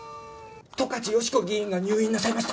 十勝喜子議員が入院なさいました。